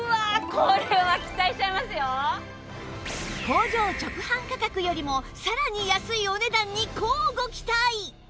工場直販価格よりもさらに安いお値段に乞うご期待！